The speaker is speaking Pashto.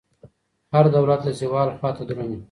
هر دولت د زوال خواته درومي.